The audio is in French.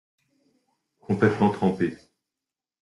Complètement trempé.